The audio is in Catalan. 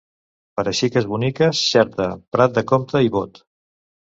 Per a xiques boniques, Xerta, Prat de Comte i Bot.